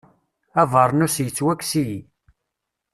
Abeṛnus yettwakkes-iyi.